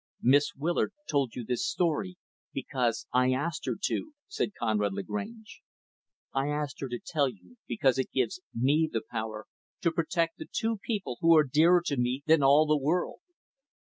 "Miss Willard told you this story because I asked her to," said Conrad Lagrange. "I asked her to tell you because it gives me the power to protect the two people who are dearer to me than all the world."